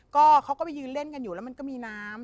ก็เขาก็ไปยืนเล่นกันอยู่แล้วมันก็มีน้ำ